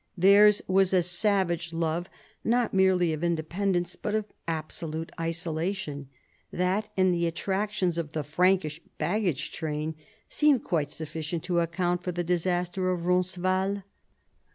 Theirs was a savage love, not merely of independ ence but of absolute isolation : that, and the attrac tions of the Frankish baggage train seem quite suf ficient to account for the disaster of Roncesvalles.